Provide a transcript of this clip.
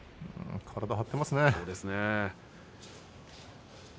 体が張っていますね。